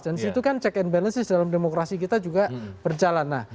disitu kan check and balances dalam demokrasi kita juga berjalan